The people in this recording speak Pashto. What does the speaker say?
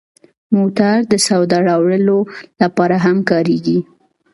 موټر د سودا راوړلو لپاره هم کارېږي.